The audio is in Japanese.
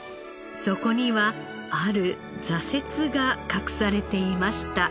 そこにはある挫折が隠されていました。